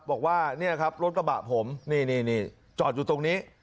บอกว่านี่ครับรถกระบะผมนี่จอดอยู่ตรงนี้